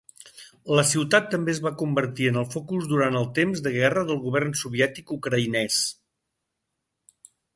La ciutat també es va convertir en el focus durant el temps de guerra del govern soviètic ucraïnès.